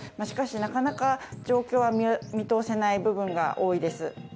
しかし、なかなか状況は見通せない部分が多いです。